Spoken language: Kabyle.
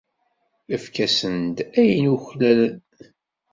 Efk-asen-d ayen uklalen.